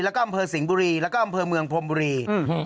แล้วก็อำเภอสิงห์บุรีแล้วก็อำเภอเมืองพรมบุรี